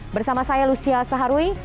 bersama saya lucia saharwi